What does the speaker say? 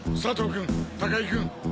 君高木君。